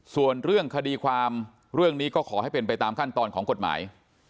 ส่วนเรื่องคดีความเรื่องนี้ก็ขอให้เป็นไปตามขั้นตอนของกฎหมาย